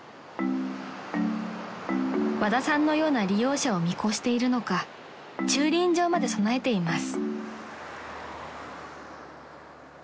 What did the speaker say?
［和田さんのような利用者を見越しているのか駐輪場まで備えています］